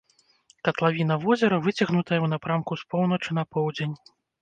Катлавіна возера выцягнутая ў напрамку з поўначы на поўдзень.